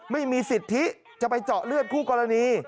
ไม่มีสิทธิจะไปเจาะเลือดคู่กรณี